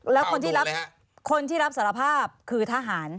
แล้วคนที่รับสารภาพคือทหาร